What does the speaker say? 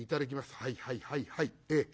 はいはいはいはい。